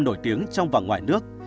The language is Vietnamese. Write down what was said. nổi tiếng trong và ngoài nước